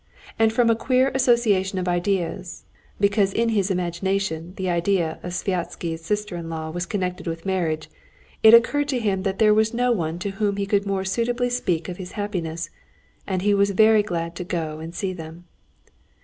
And from a queer association of ideas, because in his imagination the idea of Sviazhsky's sister in law was connected with marriage, it occurred to him that there was no one to whom he could more suitably speak of his happiness, and he was very glad to go and see them.